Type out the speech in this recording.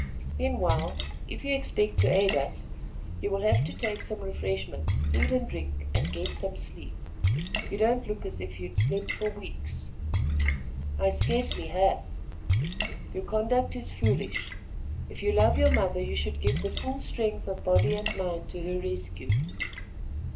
Meanwhile, if you expect to aid us, you will have to take some refreshments, food and drink, and get some sleep. You don't look as if you had slept for weeks." "I scarcely have." "Your conduct is foolish. If you love your mother, you should give the full strength of body and mind to her rescue."